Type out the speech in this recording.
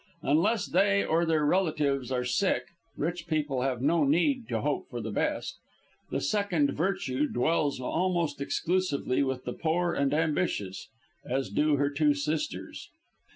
Unless they or their relatives are sick, rich people have no need to hope for the best. The second virtue dwells almost exclusively with the poor and ambitious, as do her two sisters.